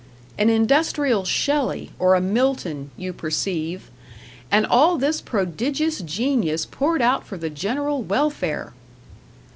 An industrial Shelley, or a Milton, you perceive; and all this prodigious genius poured out for the general welfare!